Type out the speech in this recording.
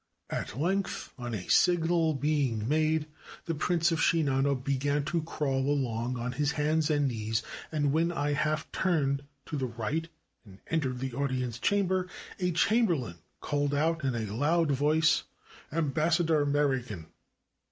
At length, on a signal being made, the Prince of Shinano began to crawl along on his hands and knees, and when I half turned to the right and entered the audience chamber, a chamberlain called out in a loud voice "Em bassador Merican!"